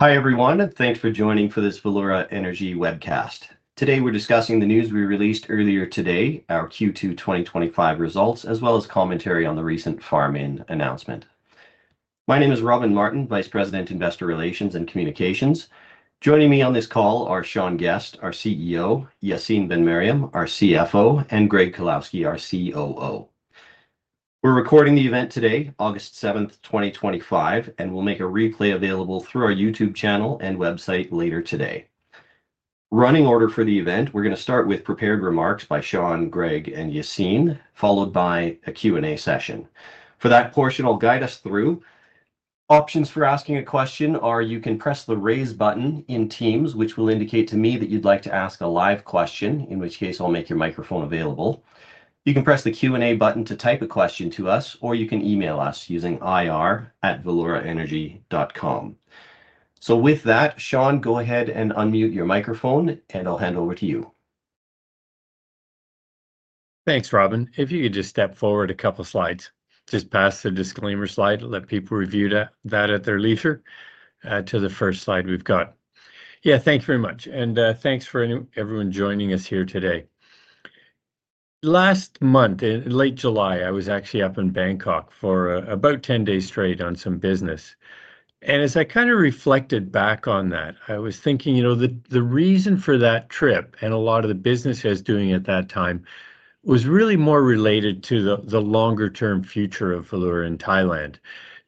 Hi everyone, and thanks for joining for this Valeura Energy webcast. Today we're discussing the news we released earlier today, our Q2 2025 results, as well as commentary on the recent farm-in announcement. My name is Robin Martin, Vice President, Investor Relations and Communications. Joining me on this call are Sean Guest, our CEO, Yacine Ben-Meriem, our CFO, and Greg Kulawski, our COO. We're recording the event today, August 7, 2025, and we'll make a replay available through our YouTube channel and website later today. Running order for the event, we're going to start with prepared remarks by Sean, Greg, and Yacine, followed by a Q&A session. For that portion, I'll guide us through. Options for asking a question are you can press the raise button in Teams, which will indicate to me that you'd like to ask a live question, in which case I'll make your microphone available. You can press the Q&A button to type a question to us, or you can email us using ir@valeuraenergy.com. With that, Sean, go ahead and unmute your microphone, and I'll hand over to you. Thanks, Robin. If you could just step forward a couple of slides, just past the disclaimer slide, let people review that at their leisure, to the first slide we've got. Yeah, thanks very much. Thanks for everyone joining us here today. Last month, in late July, I was actually up in Bangkok for about 10 days straight on some business. As I kind of reflected back on that, I was thinking, you know, the reason for that trip and a lot of the business I was doing at that time was really more related to the longer-term future of Valeura in Thailand.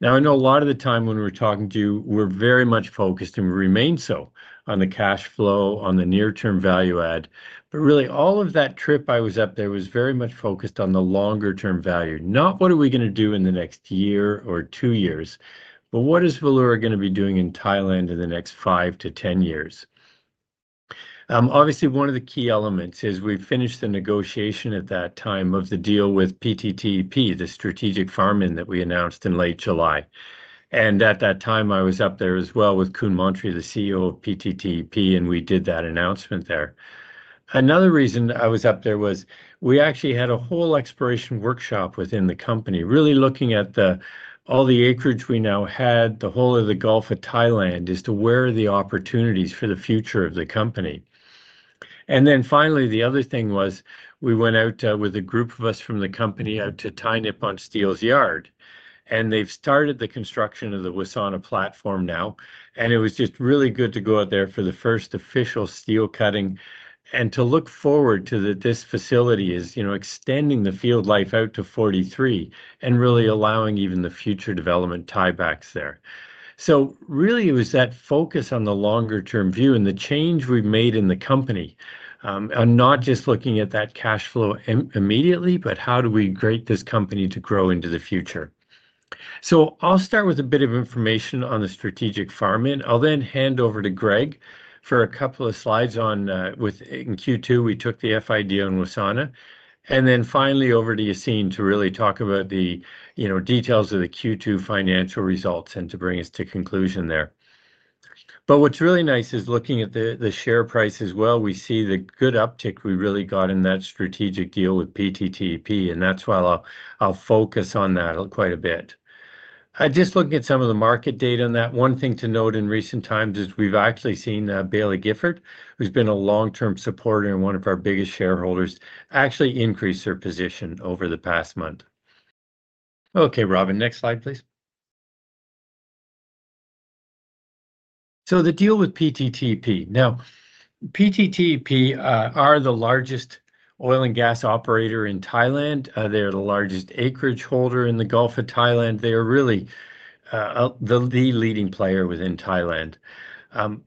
I know a lot of the time when we're talking to you, we're very much focused, and we remain so, on the cash flow, on the near-term value add. Really, all of that trip I was up there was very much focused on the longer-term value, not what are we going to do in the next year or two years, but what is Valeura going to be doing in Thailand in the next five to ten years? Obviously, one of the key elements is we finished the negotiation at that time of the deal with PTTEP, the strategic farm-in that we announced in late July. At that time, I was up there as well with Khun Montri, the CEO of PTTEP, and we did that announcement there. Another reason I was up there was we actually had a whole exploration workshop within the company, really looking at all the acreage we now had, the whole of the Gulf of Thailand, as to where are the opportunities for the future of the company. Finally, the other thing was we went out with a group of us from the company out to Thai Nippon Steel's yard. They've started the construction of the Wasana platform now. It was just really good to go out there for the first official steel cutting and to look forward to that this facility is, you know, extending the field life out to 2043 and really allowing even the future development tiebacks there. It was that focus on the longer-term view and the change we've made in the company, and not just looking at that cash flow immediately, but how do we create this company to grow into the future? I'll start with a bit of information on the strategic farm-in. I'll then hand over to Greg for a couple of slides on, within Q2 we took the FID on Wasana, and then finally over to Yacine to really talk about the details of the Q2 financial results and to bring us to conclusion there. What's really nice is looking at the share price as well. We see the good uptick we really got in that strategic deal with PTTEP, and that's why I'll focus on that quite a bit. I just looked at some of the market data on that. One thing to note in recent times is we've actually seen Baillie Gifford, who's been a long-term supporter and one of our biggest shareholders, actually increase her position over the past month. Okay, Robin, next slide, please. The deal with PTTEP. Now, PTTEP are the largest oil and gas operator in Thailand. They're the largest acreage holder in the Gulf of Thailand. They're really the leading player within Thailand.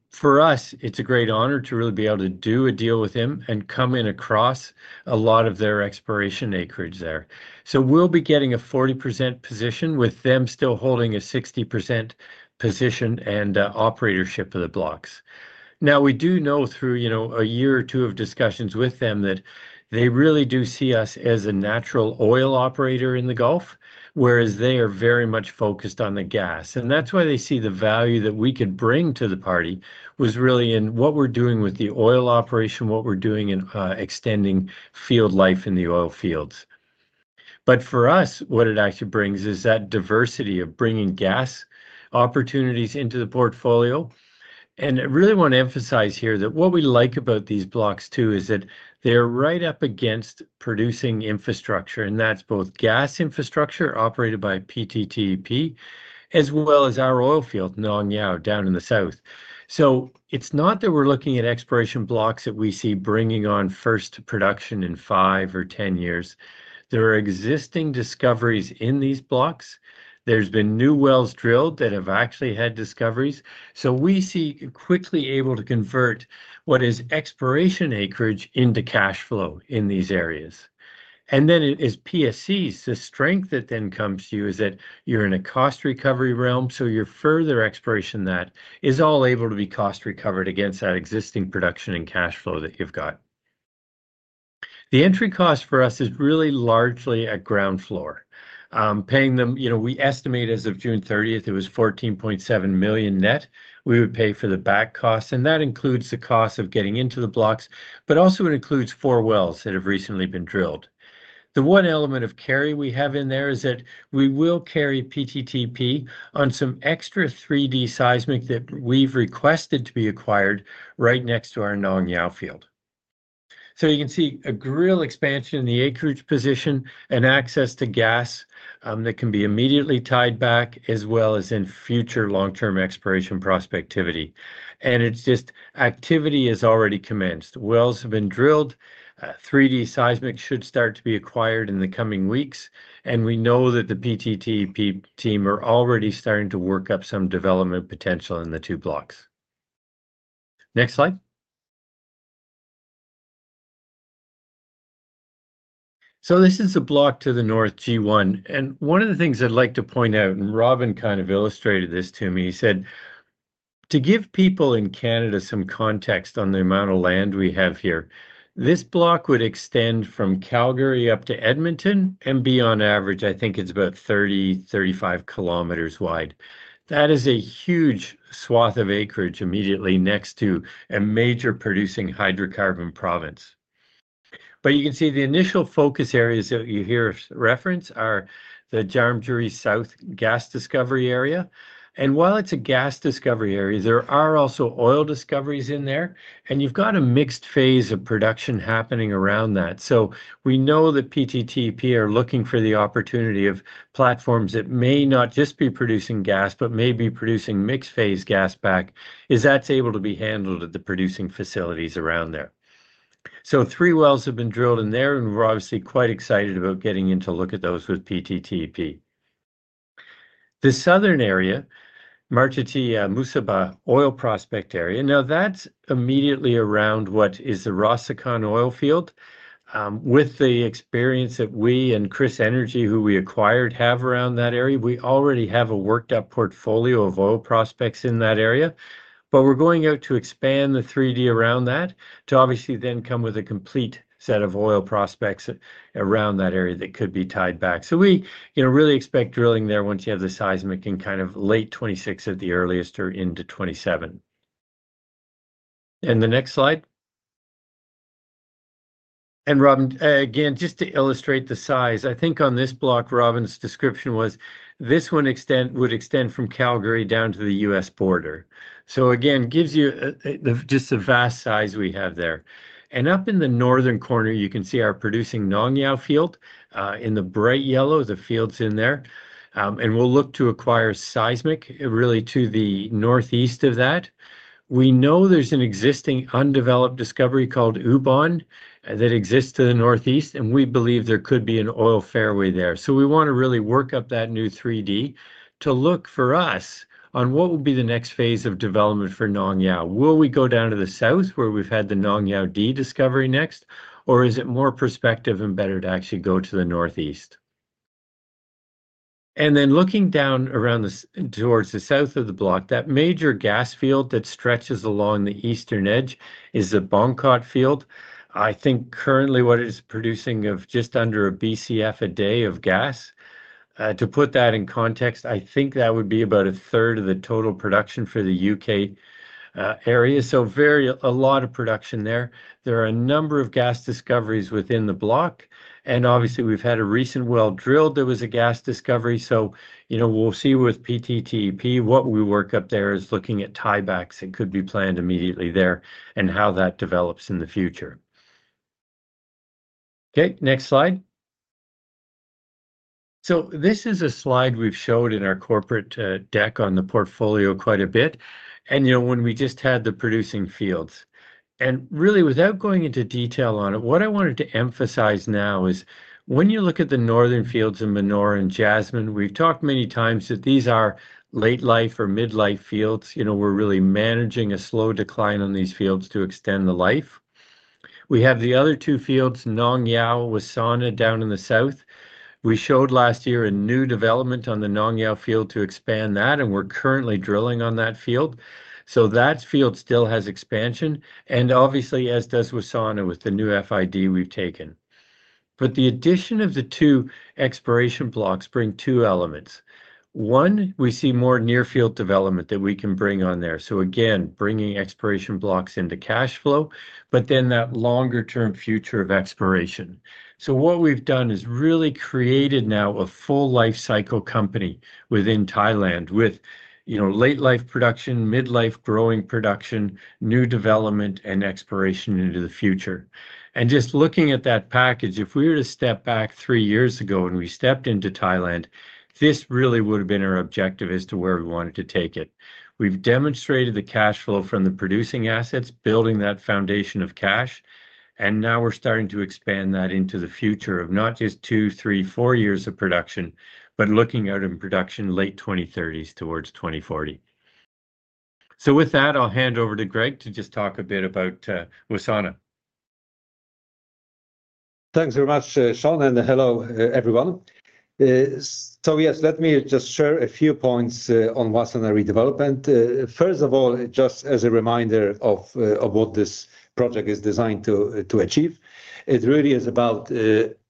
For us, it's a great honor to really be able to do a deal with them and come in across a lot of their exploration acreage there. We'll be getting a 40% position with them still holding a 60% position and operatorship of the blocks. We do know through a year or two of discussions with them that they really do see us as a natural oil operator in the Gulf, whereas they are very much focused on the gas. That's why they see the value that we could bring to the party was really in what we're doing with the oil operation, what we're doing in extending field life in the oil fields. For us, what it actually brings is that diversity of bringing gas opportunities into the portfolio. I really want to emphasize here that what we like about these blocks, too, is that they're right up against producing infrastructure, and that's both gas infrastructure operated by PTTEP, as well as our oil field, Nong Yao, down in the south. It's not that we're looking at exploration blocks that we see bringing on first production in five or ten years. There are existing discoveries in these blocks. There's been new wells drilled that have actually had discoveries. We see quickly able to convert what is exploration acreage into cash flow in these areas. As PSCs, the strength that then comes to you is that you're in a cost recovery realm. Your further exploration that is all able to be cost recovered against that existing production and cash flow that you've got. The entry cost for us is really largely at ground floor. Paying them, we estimate as of June 30, it was $14.7 million net. We would pay for the back cost, and that includes the cost of getting into the blocks, but also it includes four wells that have recently been drilled. The one element of carry we have in there is that we will carry PTTEP on some extra 3D seismic that we've requested to be acquired right next to our Nong Yao field. You can see a real expansion in the acreage position and access to gas that can be immediately tied back, as well as in future long-term exploration prospectivity. Activity has already commenced; wells have been drilled, 3D seismic should start to be acquired in the coming weeks, and we know that the PTTEP team are already starting to work up some development potential in the two blocks. Next slide. This is a block to the north, G1, and one of the things I'd like to point out, and Robin kind of illustrated this to me, he said, to give people in Canada some context on the amount of land we have here, this block would extend from Calgary up to Edmonton and be on average, I think it's about 30-35 km wide. That is a huge swath of acreage immediately next to a major producing hydrocarbon province. You can see the initial focus areas that you hear reference are the Jarmjuree South gas discovery area. While it's a gas discovery area, there are also oil discoveries in there, and you've got a mixed phase of production happening around that. We know that PTTEP are looking for the opportunity of platforms that may not just be producing gas, but may be producing mixed phase gas back, as that's able to be handled at the producing facilities around there. Three wells have been drilled in there, and we're obviously quite excited about getting in to look at those with PTTEP. The southern area, Maratee-Bussaba oil prospect area, now that's immediately around what is the Rossukon oil field. With the experience that we and KrisEnergy, who we acquired, have around that area, we already have a worked-up portfolio of oil prospects in that area. We're going out to expand the 3D around that to obviously then come with a complete set of oil prospects around that area that could be tied back. We really expect drilling there once you have the seismic in kind of late 2026 at the earliest or into 2027. Next slide. Robin, again, just to illustrate the size, I think on this block, Robin's description was this one would extend from Calgary down to the U.S. border. Again, gives you just the vast size we have there. Up in the northern corner, you can see our producing Nong Yao field in the bright yellow, the fields in there. We will look to acquire seismic really to the northeast of that. We know there's an existing undeveloped discovery called Ubon that exists to the northeast, and we believe there could be an oil fairway there. We want to really work up that new 3D to look for us on what will be the next phase of development for Nong Yao. Will we go down to the south where we've had the Nong Yao D discovery next, or is it more prospective and better to actually go to the northeast? Looking down around towards the south of the block, that major gas field that stretches along the eastern edge is the Bangkot field. I think currently what it is producing is just under a BCF a day of gas. To put that in context, I think that would be about a third of the total production for the UK area. There is a lot of production there. There are a number of gas discoveries within the block. Obviously, we've had a recent well drilled that was a gas discovery. We will see with PTTEP what we work up there, looking at tiebacks that could be planned immediately there and how that develops in the future. Okay, next slide. This is a slide we've showed in our corporate deck on the portfolio quite a bit. When we just had the producing fields, and really without going into detail on it, what I wanted to emphasize now is when you look at the northern fields in Manora and Jasmine, we've talked many times that these are late-life or mid-life fields. We're really managing a slow decline on these fields to extend the life. We have the other two fields, Nong Yao and Wasana down in the south. We showed last year a new development on the Nong Yao field to expand that, and we're currently drilling on that field. That field still has expansion, and obviously as does Wasana with the new FID we've taken. The addition of the two exploration blocks brings two elements. One, we see more near-field development that we can bring on there, bringing exploration blocks into cash flow, but then that longer-term future of exploration. What we've done is really created now a full life cycle company within Thailand with late-life production, mid-life growing production, new development, and exploration into the future. Just looking at that package, if we were to step back three years ago and we stepped into Thailand, this really would have been our objective as to where we wanted to take it. We've demonstrated the cash flow from the producing assets, building that foundation of cash, and now we're starting to expand that into the future of not just two, three, four years of production, but looking out in production late 2030s towards 2040. With that, I'll hand over to Greg to just talk a bit about Wasana. Thanks very much, Sean, and hello everyone. Yes, let me just share a few points on Wasana redevelopment. First of all, just as a reminder of what this project is designed to achieve, it really is about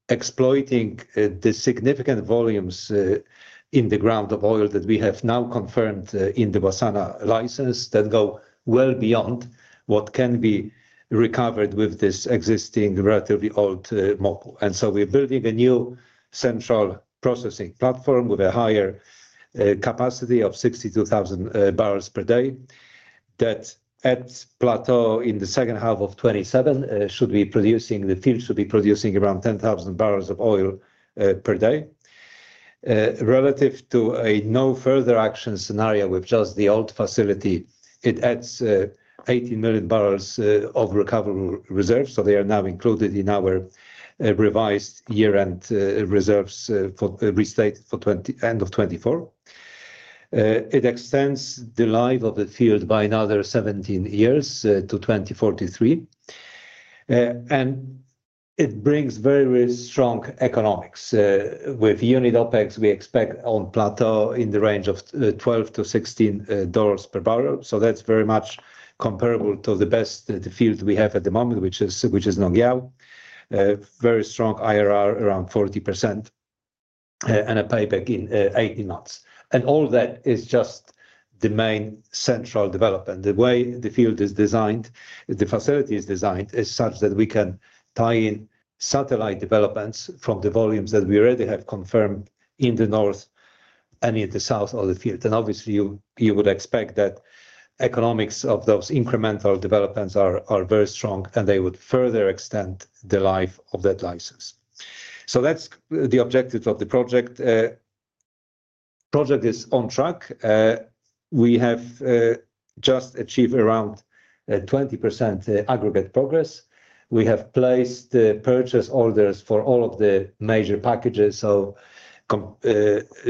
exploiting the significant volumes in the ground of oil that we have now confirmed in the Wasana license that go well beyond what can be recovered with this existing relatively old model. We're building a new central processing platform with a higher capacity of 62,000 barrels per day. At plateau in the second half of 2027, the field should be producing around 10,000 barrels of oil per day. Relative to a no further action scenario with just the old facility, it adds 18 million barrels of recoverable reserves. They are now included in our revised year-end reserves for restated for the end of 2024. It extends the life of the field by another 17 years to 2043. It brings very strong economics. With unit OpEx, we expect on plateau in the range of $12-$16 per barrel. That's very much comparable to the best field we have at the moment, which is Nong Yao. Very strong IRR around 40% and a payback in 18 months. All that is just the main central development. The way the field is designed, the facility is designed is such that we can tie in satellite developments from the volumes that we already have confirmed in the north and in the south of the field. Obviously, you would expect that economics of those incremental developments are very strong, and they would further extend the life of that license. That's the objective of the project. The project is on track. We have just achieved around 20% aggregate progress. We have placed purchase orders for all of the major packages, so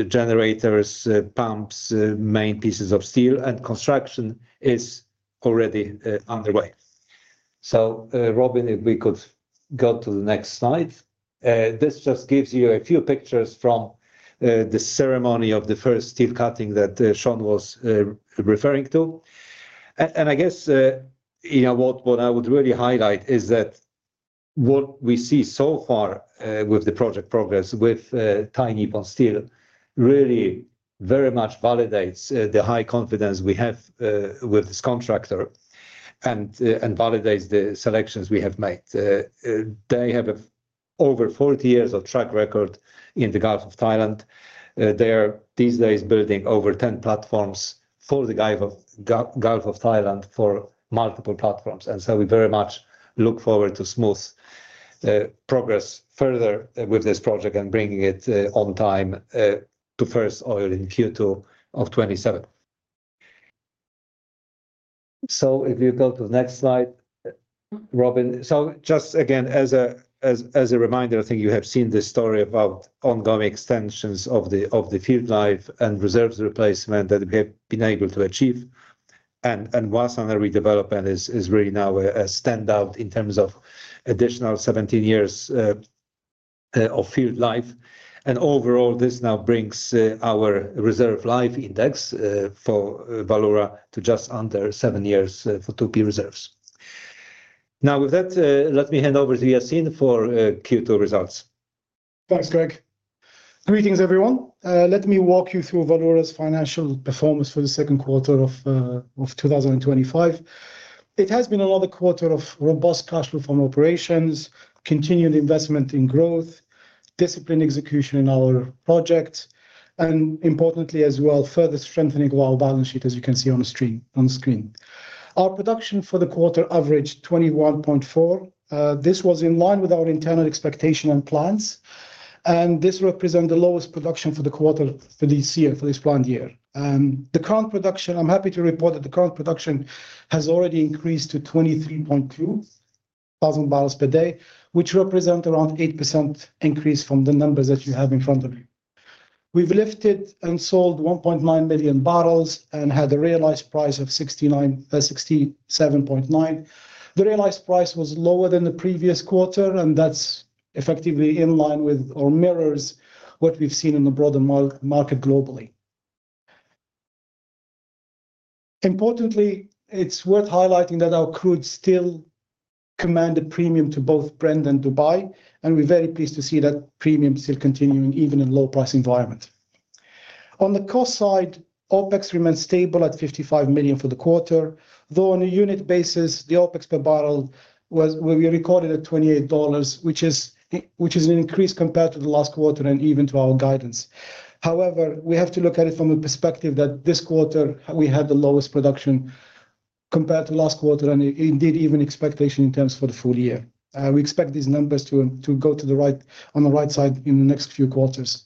generators, pumps, main pieces of steel, and construction is already underway. Robin, if we could go to the next slide. This just gives you a few pictures from the ceremony of the first steel cutting that Sean was referring to. What I would really highlight is that what we see so far with the project progress with Thai Nippon Steel really very much validates the high confidence we have with this contractor and validates the selections we have made. They have over 40 years of track record in the Gulf of Thailand. They are these days building over 10 platforms for the Gulf of Thailand for multiple platforms. We very much look forward to smooth progress further with this project and bringing it on time to first oil in Q2 of 2027. If you go to the next slide, Robin, just again, as a reminder, I think you have seen this story about ongoing extensions of the field life and reserves replacement that we have been able to achieve. Wasana redevelopment is really now a standout in terms of additional 17 years of field life. Overall, this now brings our reserve life index for Valeura to just under seven years for 2P reserves. With that, let me hand over to Yacine for Q2 results. Thanks, Greg. Greetings, everyone. Let me walk you through Valeura's financial performance for the second quarter of 2025. It has been another quarter of robust cash reform operations, continued investment in growth, disciplined execution in our project, and importantly as well, further strengthening of our balance sheet, as you can see on the screen. Our production for the quarter averaged 21.4. This was in line with our internal expectation and plans, and this represents the lowest production for the quarter for this year, for this planned year. The current production, I'm happy to report that the current production has already increased to 23.2 thousand barrels per day, which represents around an 8% increase from the numbers that you have in front of you. We've lifted and sold 1.9 million barrels and had a realized price of $67.9. The realized price was lower than the previous quarter, and that's effectively in line with or mirrors what we've seen in the broader market globally. Importantly, it's worth highlighting that our crude still commands a premium to both Brent and Dubai, and we're very pleased to see that premium still continuing even in a low-price environment. On the cost side, OpEx remains stable at $55 million for the quarter, though on a unit basis, the OpEx per barrel was where we recorded at $28, which is an increase compared to the last quarter and even to our guidance. However, we have to look at it from a perspective that this quarter we had the lowest production compared to last quarter and indeed even expectation in terms for the full year. We expect these numbers to go to the right on the right side in the next few quarters.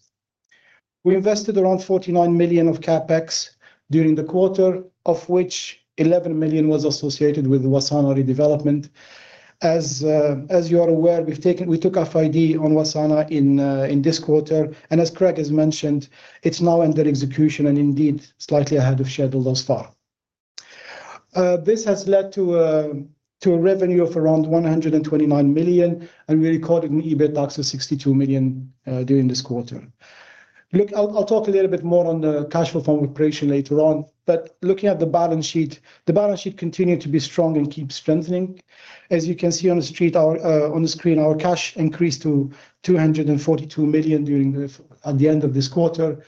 We invested around $49 million of CapEx during the quarter, of which $11 million was associated with the Wasana redevelopment. As you are aware, we took FID on Wasana in this quarter, and as Greg has mentioned, it's now under execution and indeed slightly ahead of schedule thus far. This has led to a revenue of around $129 million, and we recorded an EBITDA of $62 million during this quarter. I'll talk a little bit more on the cash reform operation later on, but looking at the balance sheet, the balance sheet continued to be strong and keep strengthening. As you can see on the screen, our cash increased to $242 million at the end of this quarter,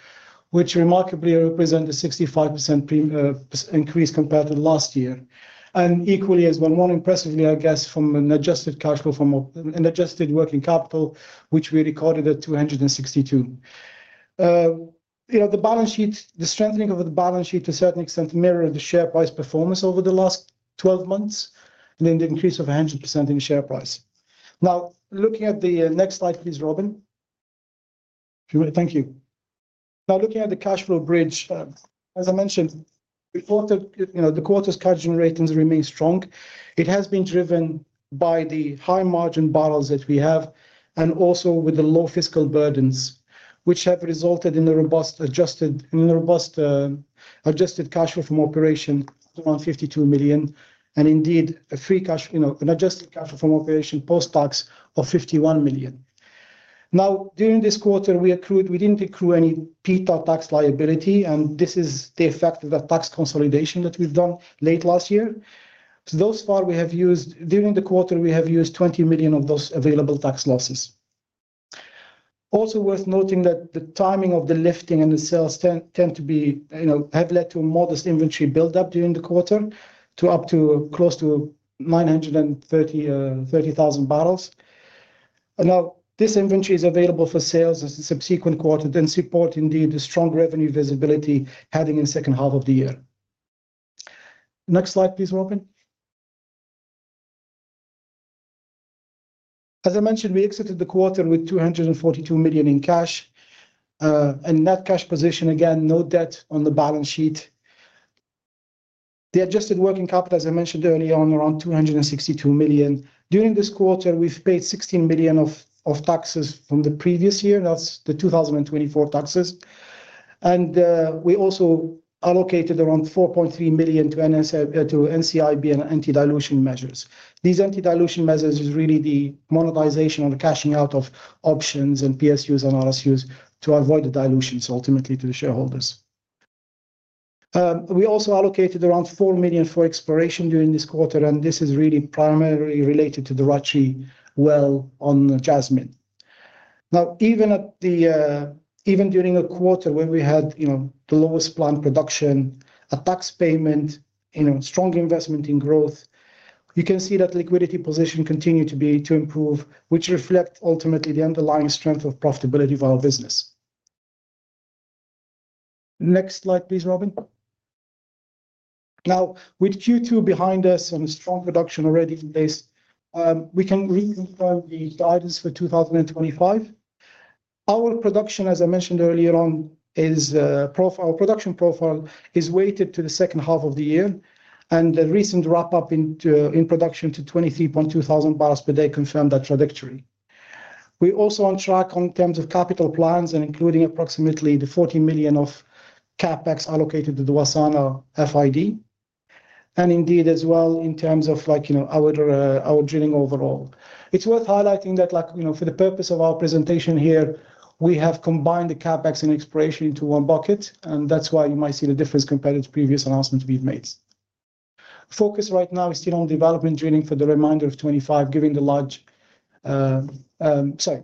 which remarkably represents a 65% increase compared to last year. Equally, as one more impressive guess from an adjusted cash flow from an adjusted working capital, which we recorded at $262 million. The balance sheet, the strengthening of the balance sheet to a certain extent mirrored the share price performance over the last 12 months and then the increase of 100% in share price. Now, looking at the next slide, please, Robin. Thank you. Now, looking at the cash flow bridge, as I mentioned, we thought the quarter's cash generations remain strong. It has been driven by the high margin barrels that we have and also with the low fiscal burdens, which have resulted in a robust adjusted cash flow from operation around $52 million and indeed a free cash, an adjusted cash flow from operation post-tax of $51 million. During this quarter, we didn't accrue any PTAR tax liability, and this is the effect of that tax consolidation that we've done late last year. Thus far, we have used, during the quarter, we have used $20 million of those available tax losses. Also, worth noting that the timing of the lifting and the sales tend to be, have led to a modest inventory buildup during the quarter to up to close to 930,000 barrels. This inventory is available for sales as a subsequent quarter and supports indeed the strong revenue visibility heading in the second half of the year. Next slide, please, Robin. As I mentioned, we exited the quarter with $242 million in cash and net cash position. Again, no debt on the balance sheet. The adjusted working capital, as I mentioned earlier, on around $262 million. During this quarter, we've paid $16 million of taxes from the previous year, and that's the 2024 taxes. We also allocated around $4.3 million to NCIB and anti-dilution measures. These anti-dilution measures are really the monetization or the cashing out of options and PSUs and RSUs to avoid the dilutions ultimately to the shareholders. We also allocated around $4 million for exploration during this quarter, and this is really primarily related to the Rachi well on Jasmine. Even during a quarter where we had the lowest planned production, a tax payment, strong investment in growth, you can see that liquidity position continued to improve, which reflects ultimately the underlying strength of profitability of our business. Next slide, please, Robin. With Q2 behind us and strong production already in place, we can reaffirm these guidance for 2025. Our production, as I mentioned earlier on, is our production profile is weighted to the second half of the year, and the recent ramp-up in production to 23.2 thousand barrels per day confirmed that trajectory. We're also on track in terms of capital plans, including approximately $40 million of capital expenditures allocated to the Wasana FID and indeed as well in terms of, like, you know, our drilling overall. It's worth highlighting that, like, you know, for the purpose of our presentation here, we have combined the capital expenditures and exploration into one bucket, and that's why you might see the difference compared to the previous announcements we've made. The focus right now is still on development drilling for the remainder of 2025, given the large, sorry,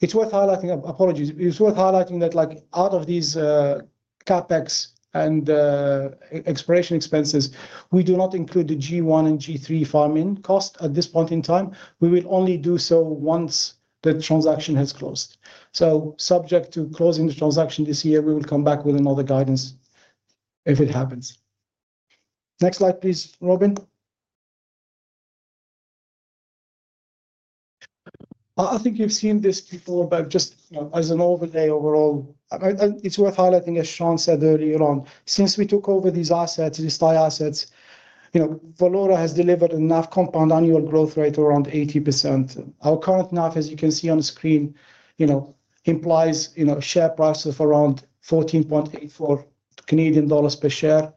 it's worth highlighting, apologies, it's worth highlighting that, like, out of these capital expenditures and exploration expenses, we do not include the G1 and G3 farm-in cost at this point in time. We will only do so once the transaction has closed. Subject to closing the transaction this year, we will come back with another guidance if it happens. Next slide, please, Robin. I think you've seen this before, but just, you know, as an overlay overall, it's worth highlighting, as Sean said earlier on, since we took over these assets, these Thai assets, you know, Valeura has delivered a NAV compound annual growth rate of around 80%. Our current NAV, as you can see on the screen, you know, implies, you know, share prices of around 14.84 Canadian dollars per share,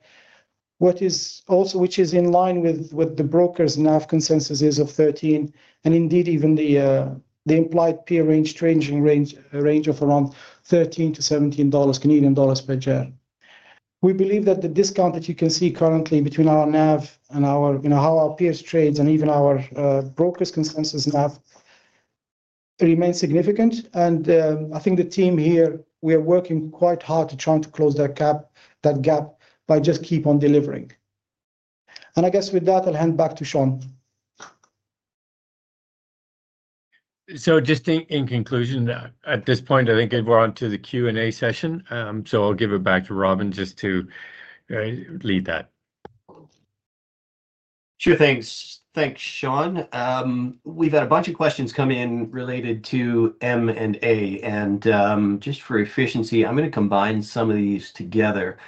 which is also in line with the broker's NAV consensus of 13, and indeed even the implied peer range of around 13 to 17 dollars per share. We believe that the discount that you can see currently between our NAV and our, you know, how our peers trade and even our broker's consensus NAV remains significant, and I think the team here, we are working quite hard to try to close that gap by just keep on delivering. I guess with that, I'll hand back to Sean. In conclusion, at this point, I think we're on to the Q&A session. I'll give it back to Robin just to lead that. Two things. Thanks, Sean. We've had a bunch of questions come in related to M&A, and just for efficiency, I'm going to combine some of these together.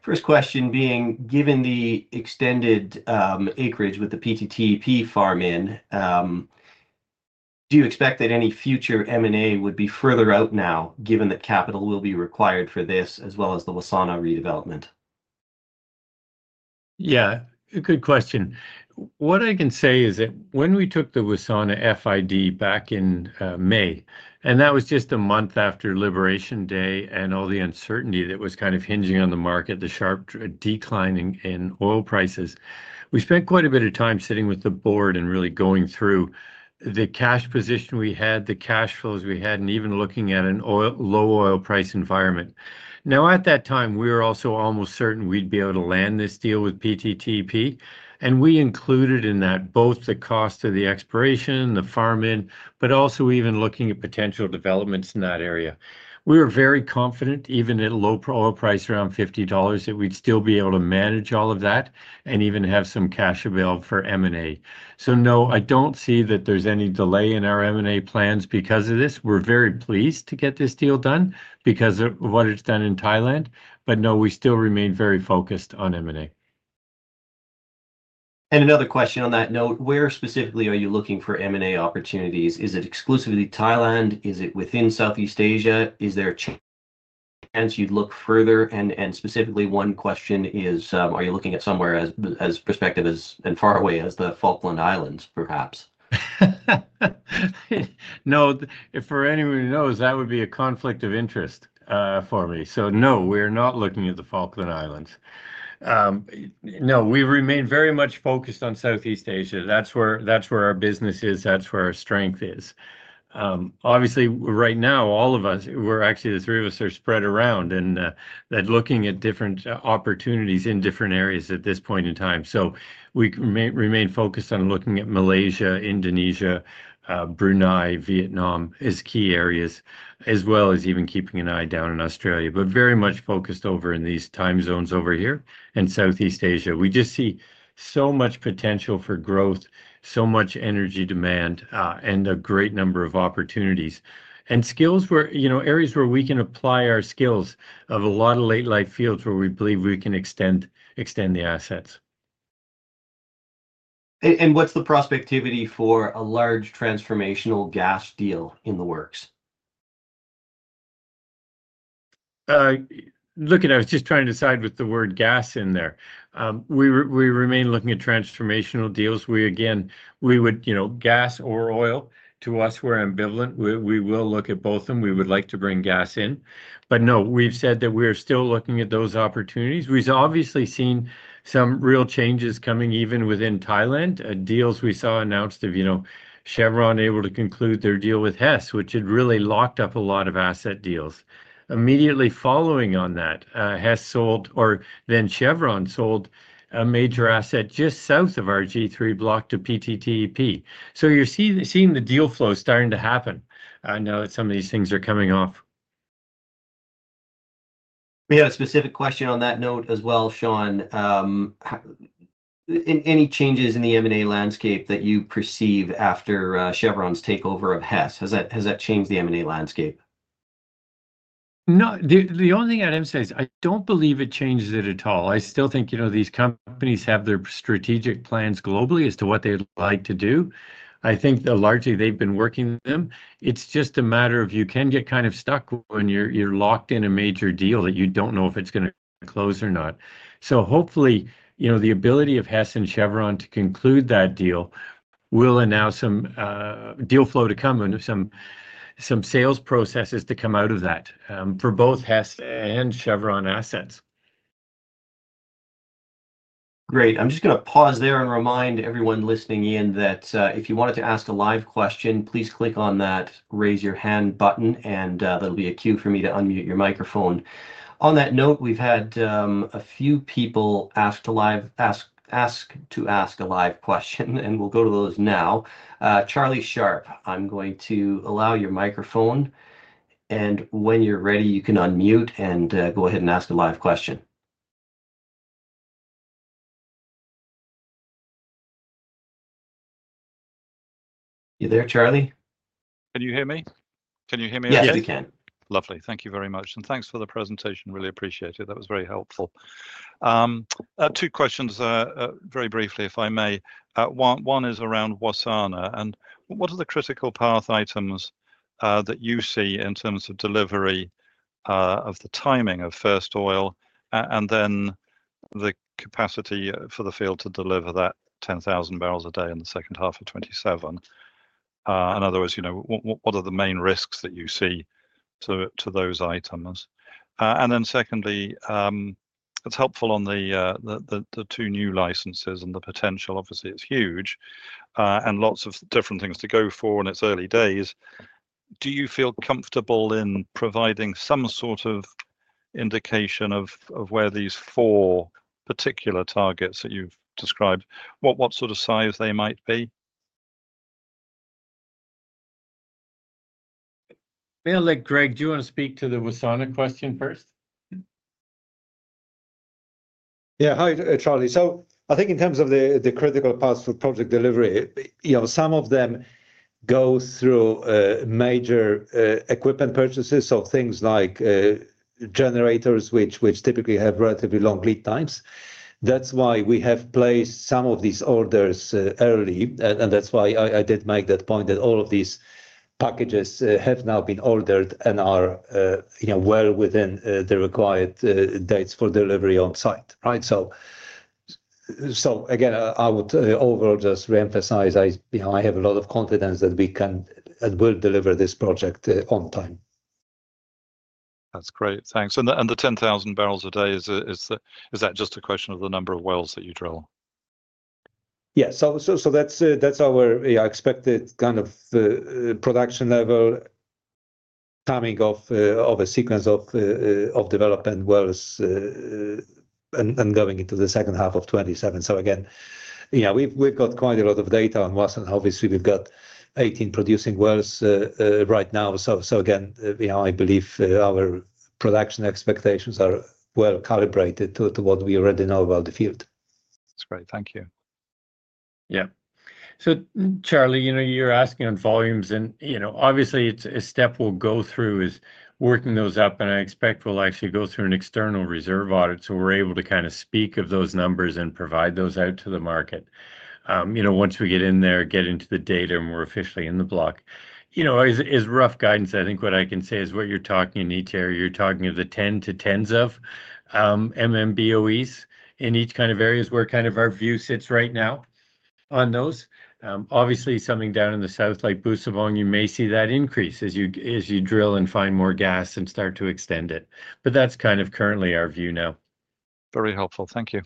First question being, given the extended acreage with the PTTEP farm-in, do you expect that any future M&A would be further out now, given that capital will be required for this as well as the Wasana redevelopment? Yeah, good question. What I can say is that when we took the Wasana FID back in May, and that was just a month after Liberation Day and all the uncertainty that was kind of hinging on the market, the sharp decline in oil prices, we spent quite a bit of time sitting with the board and really going through the cash position we had, the cash flows we had, and even looking at a low oil price environment. At that time, we were also almost certain we'd be able to land this deal with PTTEP, and we included in that both the cost of the exploration, the farm-in, but also even looking at potential developments in that area. We were very confident, even at a low oil price around $50, that we'd still be able to manage all of that and even have some cash available for M&A. I don't see that there's any delay in our M&A plans because of this. We're very pleased to get this deal done because of what it's done in Thailand, but no, we still remain very focused on M&A. Another question on that note, where specifically are you looking for M&A opportunities? Is it exclusively Thailand? Is it within Southeast Asia? Is there a chance you'd look further? Specifically, one question is, are you looking at somewhere as prospective as far away as the Falkland Islands, perhaps? No, for anyone who knows, that would be a conflict of interest for me. No, we're not looking at the Falkland Islands. We remain very much focused on Southeast Asia. That's where our business is. That's where our strength is. Obviously, right now, all of us, we're actually, the three of us are spread around and looking at different opportunities in different areas at this point in time. We remain focused on looking at Malaysia, Indonesia, Brunei, Vietnam as key areas, as well as even keeping an eye down in Australia, but very much focused over in these time zones over here and Southeast Asia. We just see so much potential for growth, so much energy demand, and a great number of opportunities and skills, areas where we can apply our skills of a lot of late-life fields where we believe we can extend the assets. What is the prospectivity for a large transformational gas deal in the works? Look at it. I was just trying to decide with the word gas in there. We remain looking at transformational deals. We, again, we would, you know, gas or oil, to us, we're ambivalent. We will look at both of them. We would like to bring gas in. We've said that we are still looking at those opportunities. We've obviously seen some real changes coming even within Thailand. Deals we saw announced of, you know, Chevron able to conclude their deal with Hess, which had really locked up a lot of asset deals. Immediately following on that, Hess sold, or then Chevron sold a major asset just south of our G3 block to PTTEP. You're seeing the deal flow starting to happen. I know some of these things are coming up. We had a specific question on that note as well, Sean. Any changes in the M&A landscape that you perceive after Chevron's takeover of Hess? Has that changed the M&A landscape? The only thing I'd emphasize is I don't believe it changes it at all. I still think, you know, these companies have their strategic plans globally as to what they'd like to do. I think largely they've been working with them. It's just a matter of you can get kind of stuck when you're locked in a major deal that you don't know if it's going to close or not. Hopefully, you know, the ability of Hess and Chevron to conclude that deal will allow some deal flow to come and some sales processes to come out of that for both Hess and Chevron assets. Great. I'm just going to pause there and remind everyone listening in that if you wanted to ask a live question, please click on that raise your hand button, and there will be a queue for me to unmute your microphone. On that note, we've had a few people ask to ask a live question, and we'll go to those now. Charlie Sharp, I'm going to allow your microphone, and when you're ready, you can unmute and go ahead and ask a live question. You there, Charlie? Can you hear me? Can you hear me? Yes, we can. Lovely. Thank you very much. Thanks for the presentation. Really appreciate it. That was very helpful. Two questions, very briefly, if I may. One is around Wasana. What are the critical path items that you see in terms of delivery of the timing of first oil and then the capacity for the field to deliver that 10,000 barrels a day in the second half of 2027? In other words, what are the main risks that you see to those items? Secondly, it's helpful on the two new licenses and the potential. Obviously, it's huge and lots of different things to go for in its early days. Do you feel comfortable in providing some sort of indication of where these four particular targets that you've described, what sort of size they might be? Yeah, Greg, do you want to speak to the Wasana question first? Yeah, hi, Charlie. I think in terms of the critical parts for project delivery, some of them go through major equipment purchases, things like generators, which typically have relatively long lead times. That's why we have placed some of these orders early, and that's why I did make that point that all of these packages have now been ordered and are well within the required dates for delivery on site, right? I would overall just reemphasize, I have a lot of confidence that we can and will deliver this project on time. That's great. Thanks. The 10,000 barrels a day, is that just a question of the number of wells that you drill? Yeah, that's our expected kind of production level coming off of a sequence of development wells and going into the second half of 2027. We've got quite a lot of data on Wasana. Obviously, we've got 18 producing wells right now. I believe our production expectations are well calibrated to what we already know about the field. That's great. Thank you. Yeah. Charlie, you're asking on volumes, and obviously, a step we'll go through is working those up. I expect we'll actually go through an external reserve audit so we're able to kind of speak of those numbers and provide those out to the market. Once we get in there, get into the data, and we're officially in the block, as rough guidance, I think what I can say is what you're talking in each area, you're talking of the 10 to 10s of MMBOEs in each kind of area is where kind of our view sits right now on those. Obviously, something down in the south like Busavong, you may see that increase as you drill and find more gas and start to extend it. That's kind of currently our view now. Very helpful. Thank you.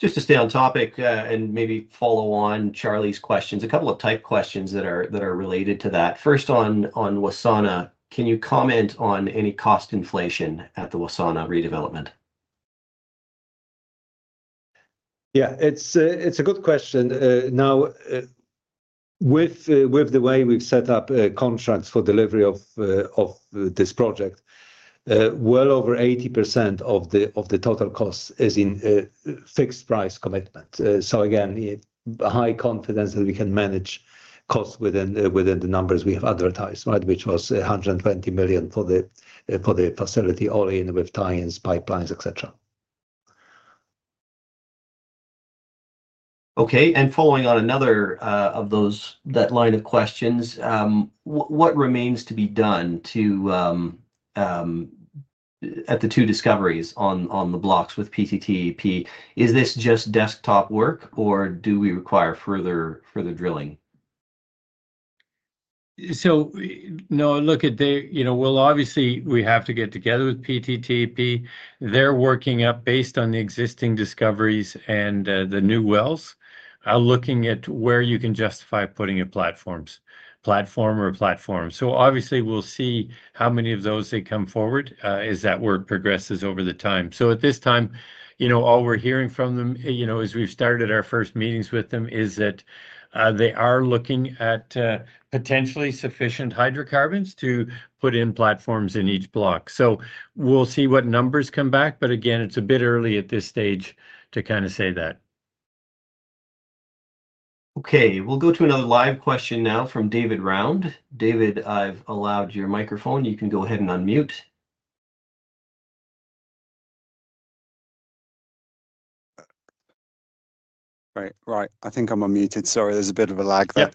Just to stay on topic and maybe follow on Charlie's questions, a couple of type questions that are related to that. First on Wasana, can you comment on any cost inflation at the Wasana redevelopment? Yeah, it's a good question. Now, with the way we've set up contracts for delivery of this project, well over 80% of the total cost is in fixed price commitment. Again, a high confidence that we can manage costs within the numbers we have advertised, which was $120 million for the facility all in with tie-ins, pipelines, et cetera. Okay, following on another of those, that line of questions, what remains to be done at the two discoveries on the blocks with PTTEP? Is this just desktop work, or do we require further drilling? No, look at the, you know, we obviously have to get together with PTTEP. They're working up, based on the existing discoveries and the new wells, looking at where you can justify putting a platform or platforms. Obviously, we'll see how many of those they come forward as that work progresses over the time. At this time, all we're hearing from them, as we've started our first meetings with them, is that they are looking at potentially sufficient hydrocarbons to put in platforms in each block. We'll see what numbers come back, but again, it's a bit early at this stage to kind of say that. Okay, we'll go to another live question now from David Round. David, I've allowed your microphone. You can go ahead and unmute. Right, right. I think I'm unmuted. Sorry, there's a bit of a lag there.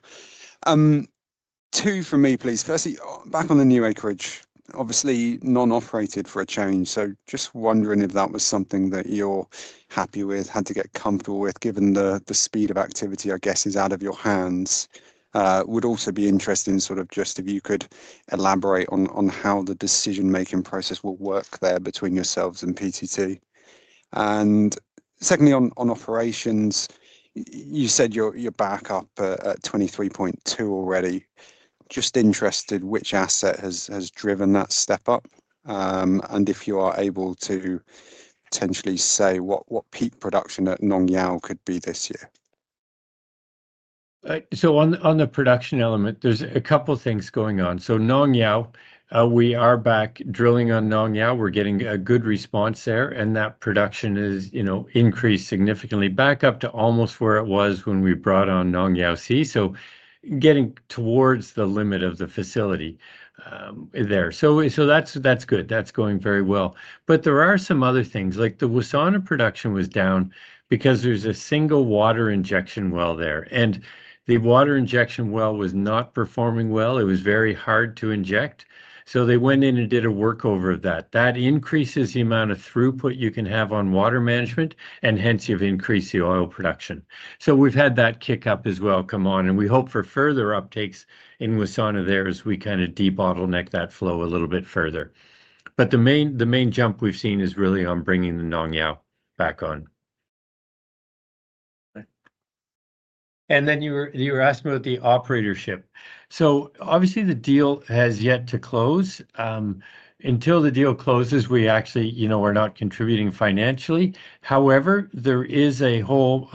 Two from me, please. Firstly, back on the new acreage, obviously non-operated for a change. Just wondering if that was something that you're happy with, had to get comfortable with, given the speed of activity, I guess, is out of your hands. Would also be interested in if you could elaborate on how the decision-making process will work there between yourselves and PTTEP. Secondly, on operations, you said you're back up at 23.2 already. Just interested which asset has driven that step up, and if you are able to potentially say what peak production at Nong Yao could be this year. On the production element, there's a couple of things going on. Nong Yao, we are back drilling on Nong Yao. We're getting a good response there, and that production is, you know, increased significantly back up to almost where it was when we brought on Nong Yao C, getting towards the limit of the facility there. That's good. That's going very well. There are some other things, like the Wasana production was down because there's a single water injection well there, and the water injection well was not performing well. It was very hard to inject. They went in and did a workover of that. That increases the amount of throughput you can have on water management, and hence you've increased the oil production. We've had that kick up as well come on, and we hope for further uptakes in Wasana there as we kind of debottleneck that flow a little bit further. The main jump we've seen is really on bringing the Nong Yao back on. You were asking about the operatorship. Obviously, the deal has yet to close. Until the deal closes, we actually, you know, we're not contributing financially. However, there is a whole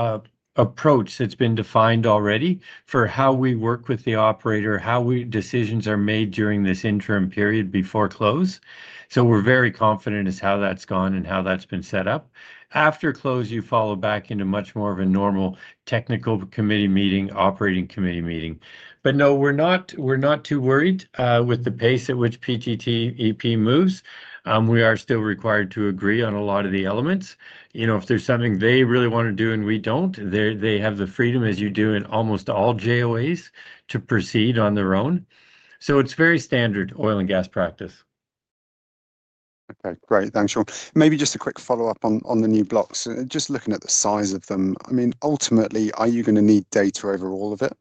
approach that's been defined already for how we work with the operator, how decisions are made during this interim period before close. We're very confident as to how that's gone and how that's been set up. After close, you follow back into much more of a normal technical committee meeting, operating committee meeting. We're not too worried with the pace at which PTTEP moves. We are still required to agree on a lot of the elements. If there's something they really want to do and we don't, they have the freedom, as you do in almost all JOAs, to proceed on their own. It's very standard oil and gas practice. Okay, great. Thanks, Sean. Maybe just a quick follow-up on the new blocks. Just looking at the size of them, I mean, ultimately, are you going to need data over all of it?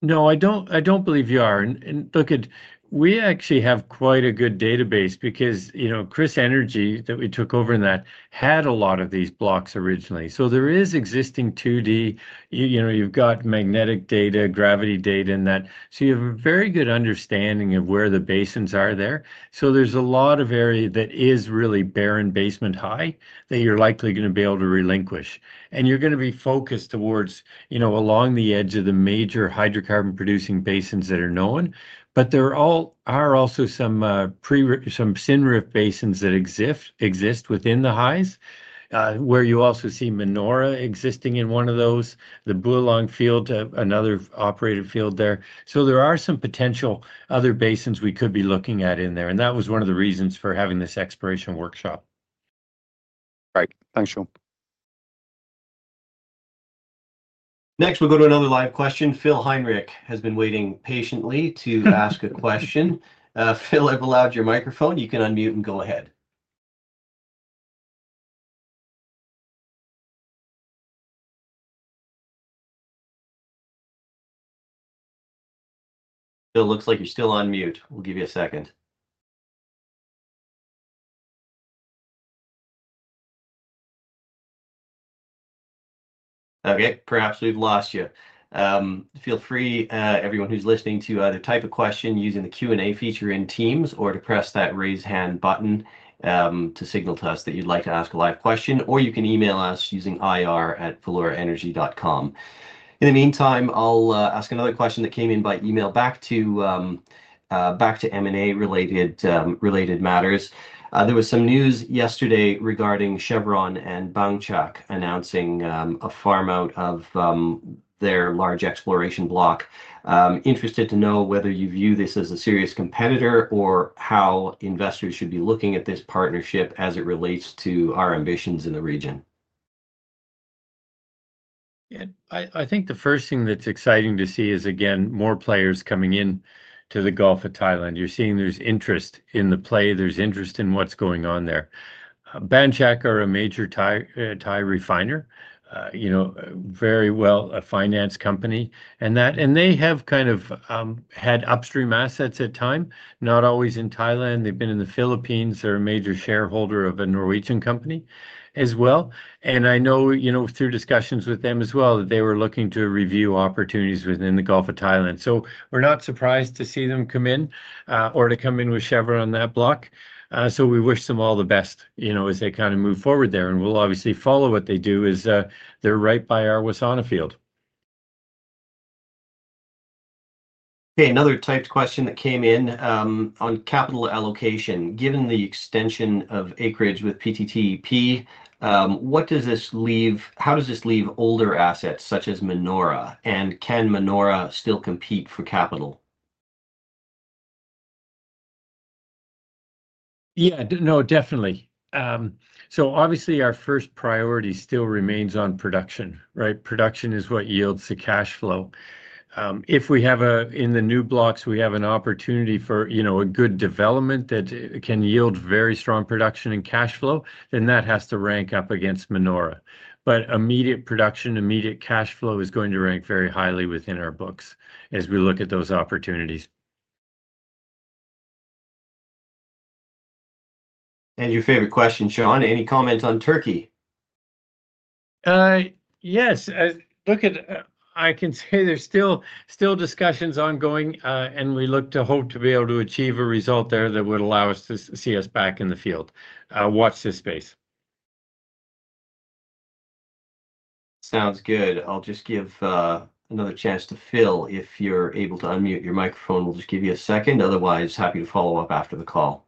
No, I don't believe you are. Look at, we actually have quite a good database because, you know, KrisEnergy that we took over in that had a lot of these blocks originally. There is existing 2D, you know, you've got magnetic data, gravity data in that. You have a very good understanding of where the basins are there. There's a lot of area that is really barren basement high that you're likely going to be able to relinquish. You're going to be focused towards, you know, along the edge of the major hydrocarbon producing basins that are known. There are also some syn-rift basins that exist within the highs, where you also see Manora existing in one of those, the Bualuang field, another operated field there. There are some potential other basins we could be looking at in there. That was one of the reasons for having this exploration workshop. Right. Thanks, Sean. Next, we'll go to another live question. Phil Heinrich has been waiting patiently to ask a question. Phil, I've allowed your microphone. You can unmute and go ahead. Phil, it looks like you're still on mute. We'll give you a second. Okay, perhaps we've lost you. Feel free, everyone who's listening, to either type a question using the Q&A feature in Teams or to press that raise hand button to signal to us that you'd like to ask a live question, or you can email us using ir@valeuraenergy.com. In the meantime, I'll ask another question that came in by email back to M&A related matters. There was some news yesterday regarding Chevron and Bangchak announcing a farm out of their large exploration block. Interested to know whether you view this as a serious competitor or how investors should be looking at this partnership as it relates to our ambitions in the region. Yeah, I think the first thing that's exciting to see is, again, more players coming in to the Gulf of Thailand. You're seeing there's interest in the play, there's interest in what's going on there. Bangchak is a major Thai refiner, you know, very well financed company. They have kind of had upstream assets at times, not always in Thailand. They've been in the Philippines. They're a major shareholder of a Norwegian company as well. I know, through discussions with them as well, that they were looking to review opportunities within the Gulf of Thailand. We're not surprised to see them come in or to come in with Chevron on that block. We wish them all the best, you know, as they kind of move forward there. We'll obviously follow what they do as they're right by our Wasana field. Okay, another typed question that came in on capital allocation. Given the extension of acreage with PTTEP, what does this leave, how does this leave older assets such as Manora, and can Manora still compete for capital? Yeah, no, definitely. Obviously, our first priority still remains on production, right? Production is what yields the cash flow. If we have, in the new blocks, an opportunity for a good development that can yield very strong production and cash flow, then that has to rank up against Manora. Immediate production, immediate cash flow is going to rank very highly within our books as we look at those opportunities. Your favorite question, Sean, any comments on Turkey? Yes, look, I can say there's still discussions ongoing, and we look to hope to be able to achieve a result there that would allow us to see us back in the field. Watch this space. Sounds good. I'll just give another chance to Phil if you're able to unmute your microphone. We'll just give you a second. Otherwise, happy to follow up after the call.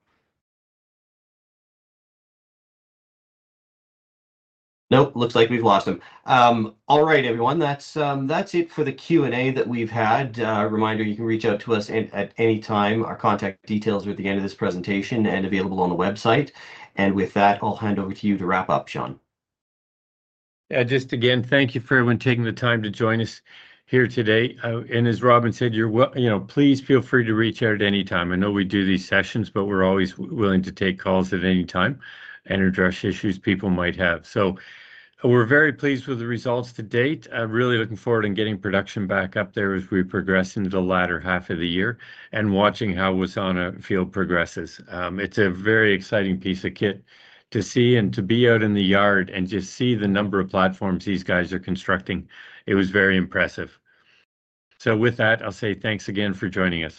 Nope, looks like we've lost him. All right, everyone, that's it for the Q&A that we've had. Reminder, you can reach out to us at any time. Our contact details are at the end of this presentation and available on the website. With that, I'll hand over to you to wrap up, Sean. Yeah, just again, thank you for everyone taking the time to join us here today. As Robin said, please feel free to reach out at any time. I know we do these sessions, but we're always willing to take calls at any time and address issues people might have. We're very pleased with the results to date. I'm really looking forward to getting production back up there as we progress into the latter half of the year and watching how Wasana field progresses. It's a very exciting piece of kit to see and to be out in the yard and just see the number of platforms these guys are constructing. It was very impressive. With that, I'll say thanks again for joining us.